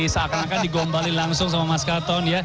seakan akan digombali langsung sama mas kato